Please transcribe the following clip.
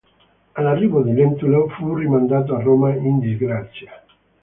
All'arrivo di Lentulo, fu rimandato a Roma in disgrazia.